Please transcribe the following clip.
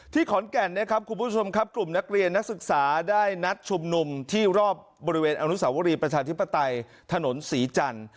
ขอนแก่นนะครับคุณผู้ชมครับกลุ่มนักเรียนนักศึกษาได้นัดชุมนุมที่รอบบริเวณอนุสาวรีประชาธิปไตยถนนศรีจันทร์